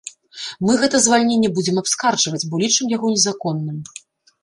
Мы гэта звальненне будзем абскарджваць, бо лічым яго незаконным.